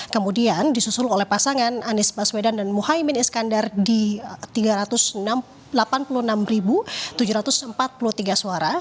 kemudian disusul oleh pasangan anies baswedan dan muhaymin iskandar di tiga ratus delapan puluh enam tujuh ratus empat puluh tiga suara